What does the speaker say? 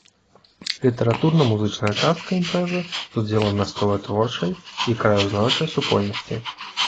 Літаратурна-музычная частка імпрэзы з удзелам мясцовай творчай і краязнаўчай супольнасці.